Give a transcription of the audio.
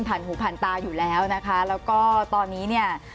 หูผ่านตาอยู่แล้วนะคะแล้วก็ตอนนี้เนี่ย